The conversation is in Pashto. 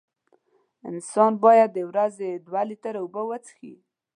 انسان باید د ورځې دوه لېټره اوبه وڅیښي.